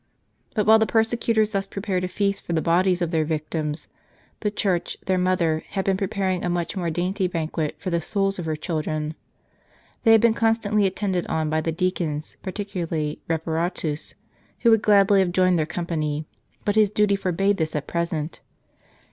* But while the persecutors thus prepared a feast for the bodies of their victims, the Church, their mother, had been preparing a much more dainty banquet for the souls of her children. They had been constantly attended on by the dea cons, particularly Reparatus, who would gladly have joined their company. But his duty forbade this at present.